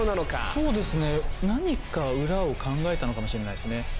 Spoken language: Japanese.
そうですね何か裏を考えたのかもしれないですね。